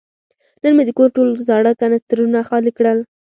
نن مې د کور ټول زاړه کنسترونه خالي کړل.